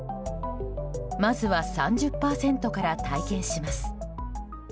まずは３０％から体験します。